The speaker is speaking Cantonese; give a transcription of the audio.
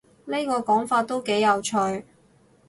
呢個講法都幾有趣